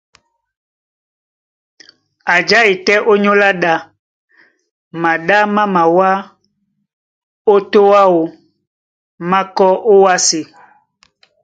A jái tɛ́ ónyólá ɗá, maɗá má mawá ó tô áō, má kɔ́ ówásē.